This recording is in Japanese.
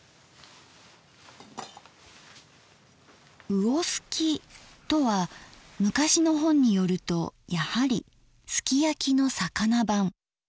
「魚すき」とは昔の本によるとやはりすき焼きの魚版。